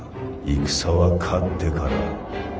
戦は勝ってから。